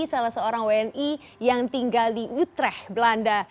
salah seorang wni yang tinggal di utrecht belanda